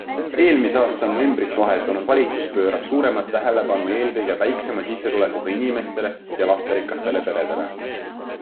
Eelmise aasta novembrist vahetunud valitsus pöörab suuremat tähelepanu eelkõige väiksema sissetulekuga inimestele ja lasterikastele peredele.